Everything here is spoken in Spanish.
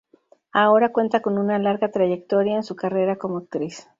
Ahora cuenta con una larga trayectoria en su carrera como actriz.